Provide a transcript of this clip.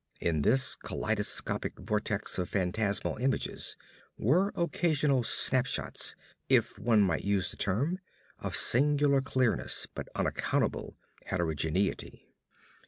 In this kaleidoscopic vortex of phantasmal images were occasional snap shots, if one might use the term, of singular clearness but unaccountable heterogeneity.